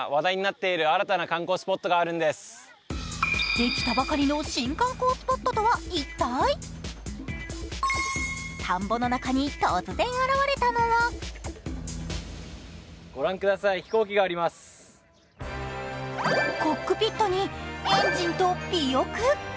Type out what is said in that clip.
できたばかりの新観光スポットとは一体田んぼの中に突然現れたのはコックピットにエンジンと尾翼。